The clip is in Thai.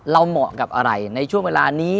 เหมาะกับอะไรในช่วงเวลานี้